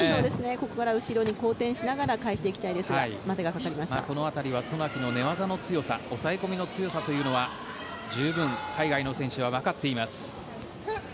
ここから後ろに後転しながら返していきたいですがこの辺りは渡名喜の寝技の強さ抑え込みの強さは十分、海外の選手たちはわかっています。